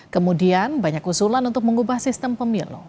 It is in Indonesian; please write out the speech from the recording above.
kemudian banyak usulan untuk mengubah sistem pemilu